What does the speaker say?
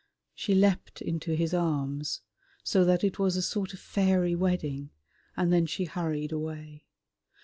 She leapt into his arms, so that it was a sort of fairy wedding, and then she hurried away.